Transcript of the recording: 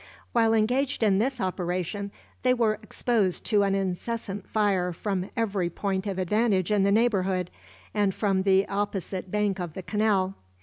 While engaged in this operation, they were exposed to an incessant fire from every point of advantage in the neighborhood, and from the opposite bank of the canal.